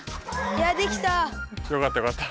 よかったよかった。